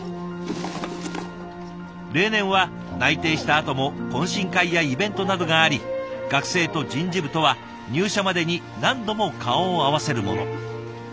例年は内定したあとも懇親会やイベントなどがあり学生と人事部とは入社までに何度も顔を合わせるもの。